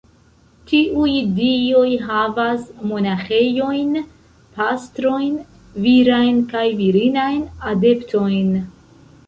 Tiuj dioj havas monaĥejojn, pastrojn, virajn kaj virinajn adeptojn.